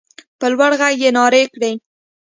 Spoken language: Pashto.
په لوړ غږ يې نارې کړې.